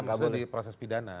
maksudnya di proses pidana